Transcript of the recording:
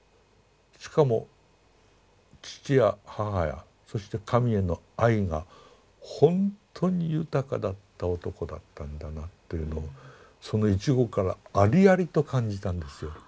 しかも父や母やそして神への愛がほんとに豊かだった男だったんだなというのをその一語からありありと感じたんですよ。